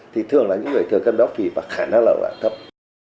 thì thường là những người thường cân béo phì và khả năng là thấp